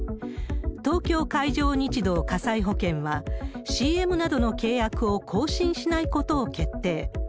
東京海上日動火災保険は、ＣＭなどの契約を更新しないことを決定。